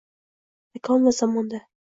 makon va zamonda